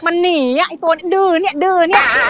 มันหนีไอตัวเนี้ยดูนี้ดูนี้